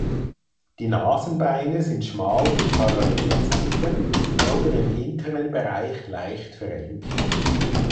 Die Nasenbeine sind schmal mit parallelen Seiten oder im hinteren Bereich leicht verengt.